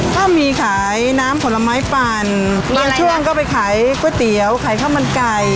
ถ้ามีขายน้ำผลไม้ปั่นบางช่วงก็ไปขายก๋วยเตี๋ยวขายข้าวมันไก่